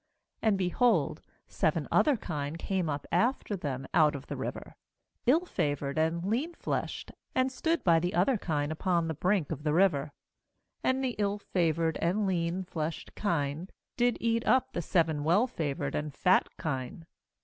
3And, behold, seven other kine came up after them out of the river, ill favoured and lean fleshed; and stood by the other kine upon the brink of the river. 4And the ill favoured and lean fleshed kine did eat up the seven well favoured and fat kine.